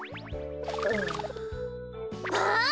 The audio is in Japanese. あ！